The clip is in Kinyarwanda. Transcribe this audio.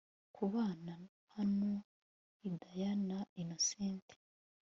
kubana naho Hidaya na Innocent